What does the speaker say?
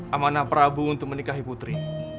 amanah prabu untuk menikahi putri